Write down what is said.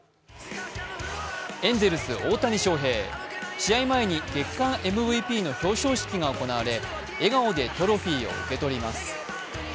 エンゼルス・大谷翔平、試合前に月間ＭＶＰの表彰式が行われ笑顔でトロフィーを受け取ります。